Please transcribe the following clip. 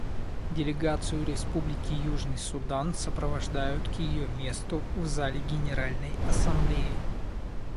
Делегацию Республики Южный Судан сопровождают к ее месту в зале Генеральной Ассамблеи.